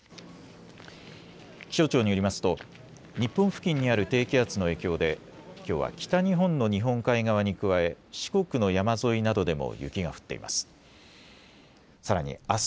気象庁によりますと日本付近にある低気圧の影響で、きょうは北日本の日本海側に加え四国の山沿いなどでも雪が降っています。